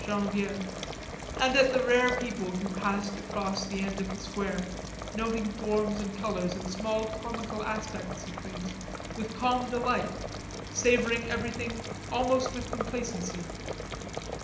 Genevieve, and at the rare people who passed across the end of the square, noting forms and colors and small comical aspects of things with calm delight, savoring everything almost with complacency.